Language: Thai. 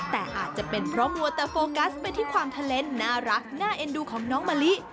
แต่อาจจะเป็นเพราะมัวแต่โฟกัสไปที่ความเทลนส์น่ารักน่าเอ็นดูของน้องมะลิ